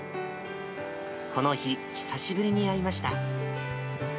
この日、久しぶりに会いました。